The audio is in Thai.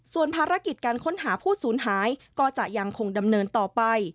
ส่วนภารกิจการค้นหาผู้สูญหายก็จะยังคงดำเนินต่อไป